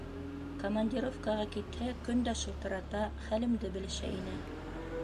Командировкаға китһә, көн дә шылтырата, хәлемде белешә ине...